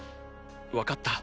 わかった。